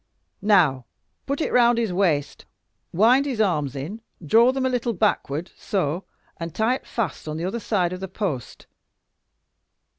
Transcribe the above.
"Now, put it round his waist, wind his arms in, draw them a little backward so! and tie it fast on the other side of the post."